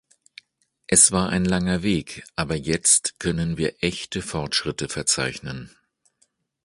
Es war ein langer Weg, aber jetzt können wir echte Fortschritte verzeichnen.